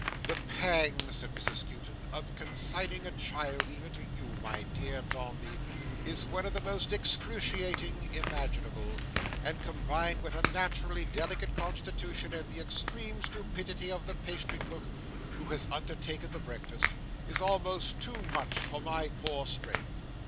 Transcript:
"The pang," said Mrs Skewton, "of consigning a child, even to you, my dear Dombey, is one of the most excruciating imaginable, and combined with a naturally delicate constitution, and the extreme stupidity of the pastry cook who has undertaken the breakfast, is almost too much for my poor strength.